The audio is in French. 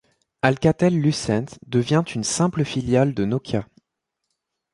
Alcatel-Lucent devient une simple filiale de Nokia.